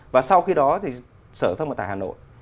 và sau khi đó thì sở thông ở tại hà nội